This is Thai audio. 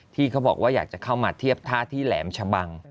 ที่เขาบอกว่าอยากจะเข้ามาเทียบท่าที่แหลมชะบัง